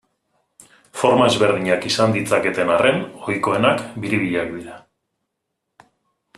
Forma ezberdinak izan ditzaketen arren, ohikoenak biribilak dira.